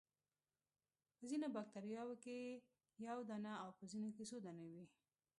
په ځینو باکتریاوو کې یو دانه او په ځینو کې څو دانې وي.